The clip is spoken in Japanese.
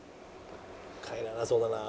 帰らなそうだな。